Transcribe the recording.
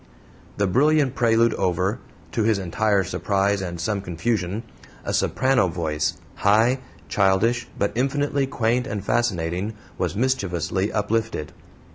The brilliant prelude over, to his entire surprise and some confusion, a soprano voice, high, childish, but infinitely quaint and fascinating, was mischievously uplifted.